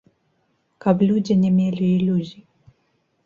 Каб людзі не мелі ілюзій.